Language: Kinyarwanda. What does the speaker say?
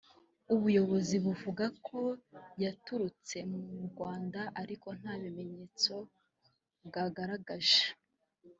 ubuyobozi buvuga ko yaturutse mu Rwanda ariko nta bimenyetso bwagaragaje